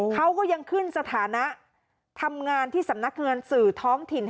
เขาก็ยังขึ้นสถานะทำงานที่สำนักงานสื่อท้องถิ่น